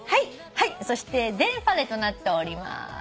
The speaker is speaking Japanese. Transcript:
そしてデンファレとなっております。